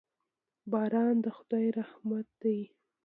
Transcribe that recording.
باران د خدای رحمت دی.